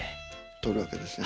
撮るわけですね？